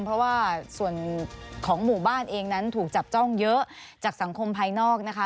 เพราะว่าส่วนของหมู่บ้านเองนั้นถูกจับจ้องเยอะจากสังคมภายนอกนะคะ